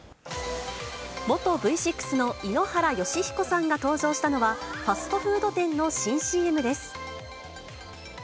元Ｖ６の井ノ原快彦さんが登場したのは、ファストフード店の新ＣＭです。